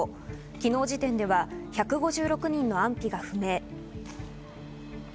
昨日時点では１５６人の安否が不明。